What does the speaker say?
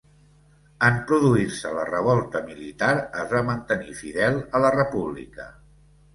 En produir-se la revolta militar es va mantenir fidel a la República.